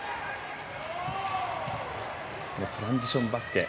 トランジションバスケ。